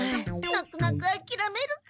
なくなくあきらめるか。